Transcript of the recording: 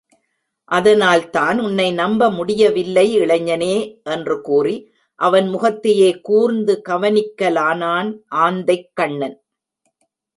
அதனால்தான் உன்னை நம்ப முடியவில்லை இளைஞனே? என்று கூறி அவன் முகத்தையே கூர்ந்து கவனிக்கலானான் ஆந்தைக்கண்ணன்.